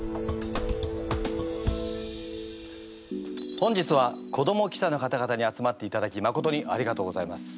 本日は子ども記者の方々に集まっていただきまことにありがとうございます。